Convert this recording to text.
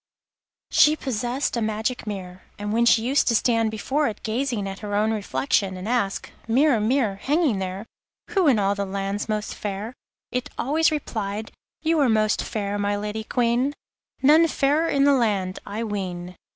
She possessed a magic mirror, and when she used to stand before it gazing at her own reflection and ask: 'Mirror, mirror, hanging there, Who in all the land's most fair?' it always replied: 'You are most fair, my Lady Queen, None fairer in the land, I ween.